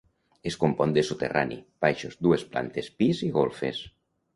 Es compon de soterrani, baixos, dues plantes pis i golfes.